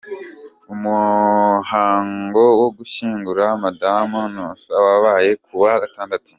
Umuhango wo gushyingura Madamu Nusara wabaye ku wa gatandatu.